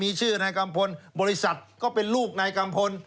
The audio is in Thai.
มีชื่อนายกัมพลบริษัทก็เป็นลูกนายกัมพล